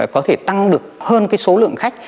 có thể tăng được hơn cái số lượng khách